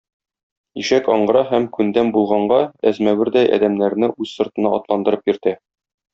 Ишәк аңгыра һәм күндәм булганга әзмәвердәй адәмнәрне үз сыртына атландырып йөртә.